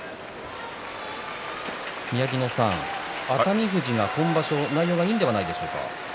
宮城野さん、熱海富士が今場所内容がいいんじゃないでしょうか。